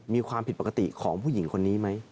มีความผิดปกติของผู้หญิงคนนี้ไหม